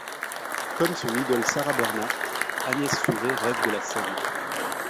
Comme son idole Sarah Bernhardt, Agnès Souret rêve de la scène.